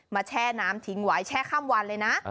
แช่น้ำทิ้งไว้แช่ข้ามวันเลยนะ